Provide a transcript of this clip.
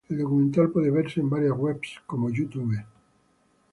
El documental puede verse en varias webs como YouTube.